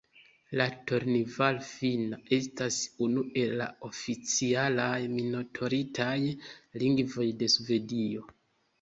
La Tornival-finna estas unu el la oficialaj minoritataj lingvoj de Svedio.